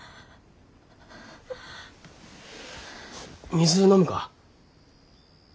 水飲むか？